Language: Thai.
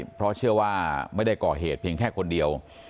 เพราะเชื่อว่าไม่ได้ก่อเหตุเพียงแค่คนเดียว